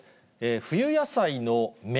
冬野菜の芽